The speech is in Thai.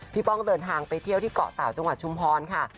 ป้องเดินทางไปเที่ยวที่เกาะเต่าจังหวัดชุมพรค่ะ